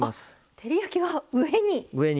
照り焼きは上に。